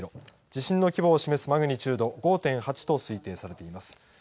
地震の規模を示すマグニチュード、５．８と推定されています。